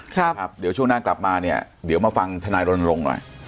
ครับเดี๋ยวช่วงหน้ากลับมาเนี่ยเดี๋ยวมาฟังธนายรณรงค์หน่อย